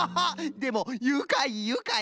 でもゆかいゆかい！